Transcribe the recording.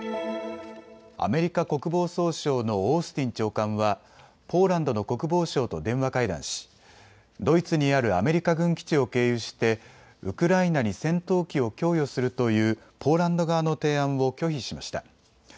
アメリカ国防総省のオースティン長官はポーランドの国防相と電話会談しドイツにあるアメリカ軍基地を経由してウクライナに戦闘機を供与するというポーランド側の提案を拒否しました。